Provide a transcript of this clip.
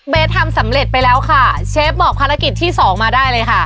ทำสำเร็จไปแล้วค่ะเชฟบอกภารกิจที่สองมาได้เลยค่ะ